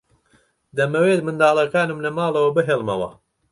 دەمەوێت منداڵەکانم لە ماڵەوە بهێڵمەوە.